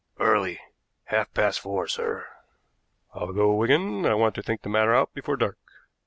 "Early half past four, sir." "I'll go, Wigan. I want to think the matter out before dark.